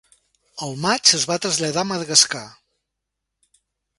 Al maig es va traslladar a Madagascar.